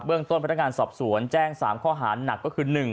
เรื่องต้นพนักงานสอบสวนแจ้ง๓ข้อหาหนักก็คือ